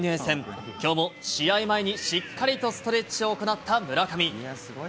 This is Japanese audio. きょうも試合前に、しっかりとストレッチを行った村上。